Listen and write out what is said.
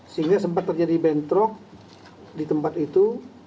sehingga sempat terjadi bentrok di tempat itu